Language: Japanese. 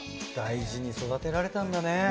大事に育てられたんだね。